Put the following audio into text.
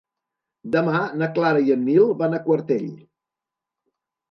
Demà na Clara i en Nil van a Quartell.